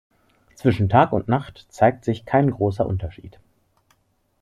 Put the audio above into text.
Zwischen Tag und Nacht zeigt sich kein großer Unterschied.